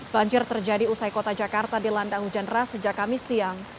banjir terjadi usai kota jakarta dilanda hujan ras sejak kamis siang